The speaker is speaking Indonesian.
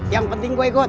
yang penting gue ikut